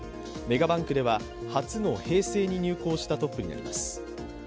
メガバンクでは初の平成に入行したトップになります。